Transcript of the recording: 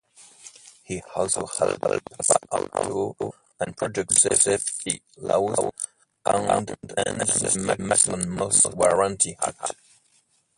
He also helped pass auto and product safety laws and the Magnuson-Moss Warranty Act.